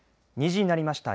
２時になりました。